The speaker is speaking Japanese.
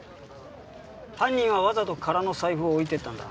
犯人はわざと空の財布を置いていったんだ。